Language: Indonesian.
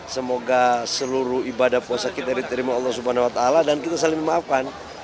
semoga seluruh ibadah puasa kita diterima allah swt dan kita saling memaafkan